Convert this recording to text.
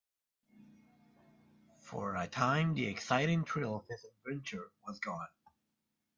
For a time the exciting thrill of his adventure was gone.